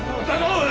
おい！